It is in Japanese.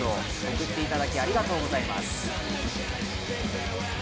送っていただきありがとうございます。